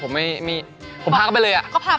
ผมพาก็ไปเลยอะ